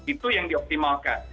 itu yang dioptimalkan